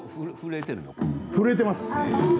震えています。